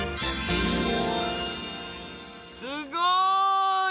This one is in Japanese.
すごい！